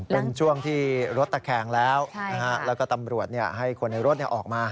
เป็นช่วงที่รถตะแคงแล้วแล้วก็ตำรวจให้คนในรถออกมา